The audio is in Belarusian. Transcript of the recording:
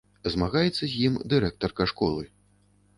Змагаецца з ім дырэктарка школы.